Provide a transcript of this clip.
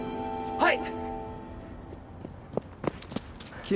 はい！